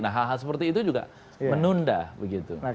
nah hal hal seperti itu juga menunda begitu